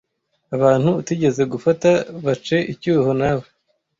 abantu utigeze gufata bace icyuho nawe